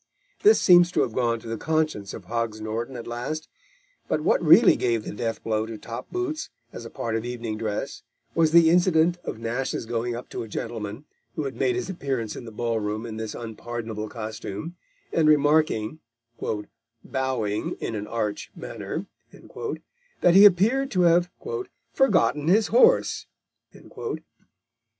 This seems to have gone to the conscience of Hogs Norton at last; but what really gave the death blow to top boots, as a part of evening dress, was the incident of Nash's going up to a gentleman, who had made his appearance in the ball room in this unpardonable costume, and remarking, "bowing in an arch manner," that he appeared to have "forgotten his horse."